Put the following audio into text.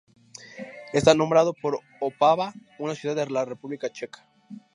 Está nombrado por Opava, una ciudad de la República Checa.